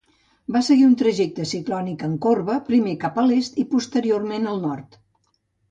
Va seguir un trajecte ciclònic en corba, primer cap a l'est i posteriorment al nord.